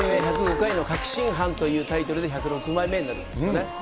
回の確信犯というタイトルで１０６枚目になるんですよね。